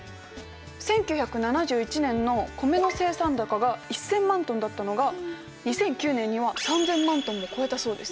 １９７１年の米の生産高が１，０００万トンだったのが２００９年には３，０００万トンを超えたそうです。